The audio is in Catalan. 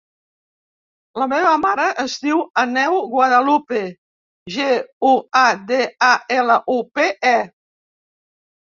La meva mare es diu Aneu Guadalupe: ge, u, a, de, a, ela, u, pe, e.